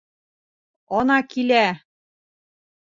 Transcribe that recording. Ана килә!